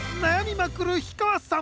まくる氷川さん！